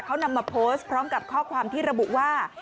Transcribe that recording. เขานำมาโพสต์พร้อมกับข้อความที่ระบุว่า